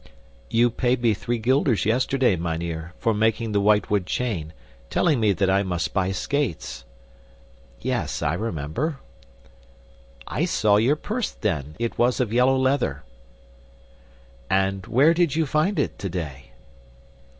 "You paid me three guilders yesterday, mynheer, for making the whitewood chain, telling me that I must buy skates." "Yes, I remember." "I saw your purse then. It was of yellow leather." "And where did you find it today?"